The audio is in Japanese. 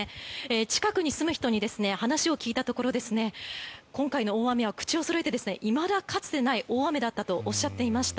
近くに住む人に話を聞いたところ今回の大雨は口をそろえていまだかつてない大雨だったとおっしゃっていました。